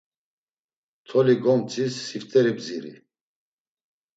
Toli gomtzis sifteri bdziri.